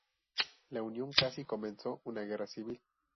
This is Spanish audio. La unión casi comenzó una guerra civil.